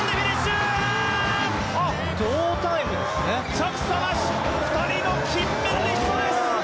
着差なし、２人の金メダリストです！